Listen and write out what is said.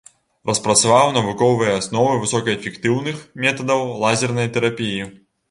Распрацаваў навуковыя асновы высокаэфектыўных метадаў лазернай тэрапіі.